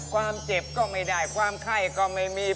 ความเจ็บก็ไม่ได้ความไข้ก็ไม่มี